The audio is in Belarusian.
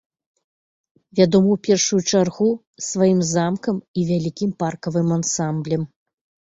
Вядома ў першую чаргу сваім замкам і вялікім паркавым ансамблем.